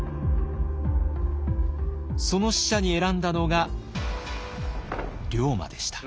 その使者に選んだのが龍馬でした。